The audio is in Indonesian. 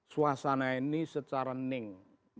suasana ini secara ning